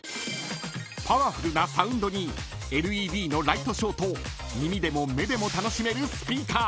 ［パワフルなサウンドにＬＥＤのライトショーと耳でも目でも楽しめるスピーカー］